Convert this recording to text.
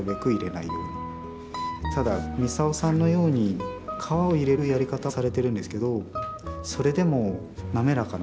ただミサオさんのように皮を入れるやり方されてるんですけどそれでも滑らかな。